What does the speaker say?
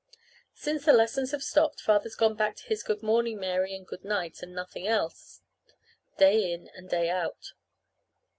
Since the lessons have stopped, Father's gone back to his "Good morning, Mary," and "Good night," and nothing else, day in and day out.